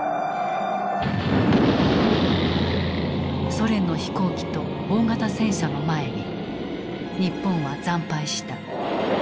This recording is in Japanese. ソ連の飛行機と大型戦車の前に日本は惨敗した。